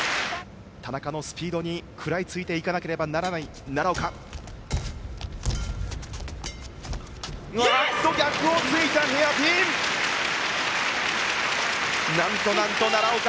田中のスピードに食らいついていかなければならない奈良岡。